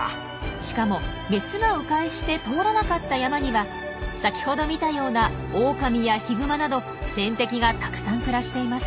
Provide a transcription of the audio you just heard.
しかもメスが迂回して通らなかった山には先ほど見たようなオオカミやヒグマなど天敵がたくさん暮らしています。